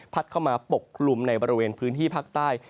เข้ามาปกกลุ่มในบริเวณพื้นที่ภาคใต้